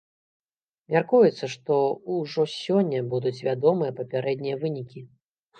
Мяркуецца, што ўжо сёння будуць вядомыя папярэднія вынікі.